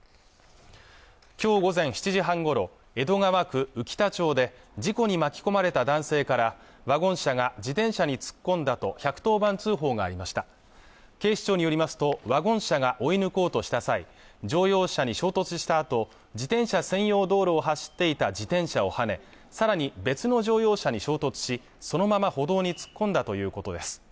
今日午前７時半ごろ江戸川区宇喜田町で事故に巻き込まれた男性からワゴン車が自転車に突っ込んだと１１０番通報がありました警視庁によりますとワゴン車が追い抜こうとした際乗用車に衝突したあと自転車専用道路を走っていた自転車をはねさらに別の乗用車に衝突しそのまま歩道に突っ込んだということです